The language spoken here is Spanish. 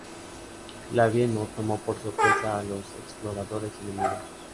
Labieno tomó por sorpresa a los exploradores enemigos.